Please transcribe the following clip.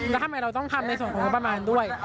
แล้วทำไมเราต้องทำในส่วนของงบประมาณด้วย